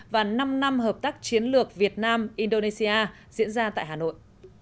và năm năm hợp tác chiến lược việt nam indonesia diễn ra tại hà nội